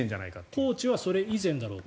コーチはそれ以前だろうと。